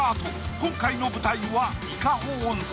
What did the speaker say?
今回の舞台は伊香保温泉。